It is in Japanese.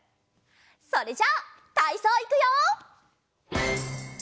それじゃたいそういくよ。